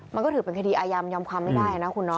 มันก็ถือเป็นคดีอายามยอมความไม่ได้นะคุณเนาะ